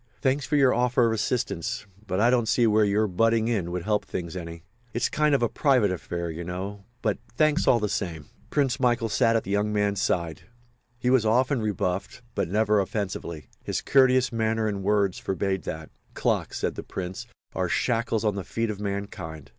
Thanks for your offer of assistance—but I don't see where your butting in would help things any. It's a kind of private affair, you know—but thanks all the same." Prince Michael sat at the young man's side. He was often rebuffed but never offensively. His courteous manner and words forbade that. "Clocks," said the Prince, "are shackles on the feet of mankind.